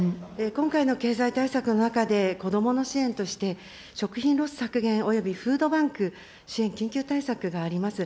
今回の経済対策の中で、子どもの支援として食品ロス削減およびフードバンク支援緊急対策があります。